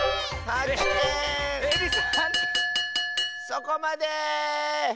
そこまで！